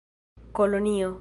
kolonio